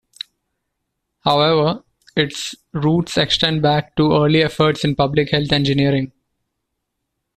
However, its roots extend back to early efforts in public health engineering.